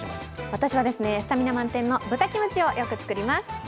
私はスタミナ満点の豚キムチをよく作ります。